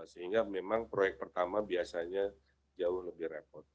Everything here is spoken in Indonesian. sehingga memang proyek pertama biasanya jauh lebih repot